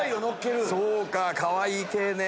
そうかかわいい系ね。